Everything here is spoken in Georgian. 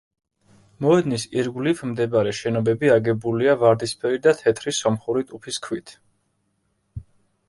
მოედნის ირგვლივ მდებარე შენობები აგებულია ვარდისფერი და თეთრი სომხური ტუფის ქვით.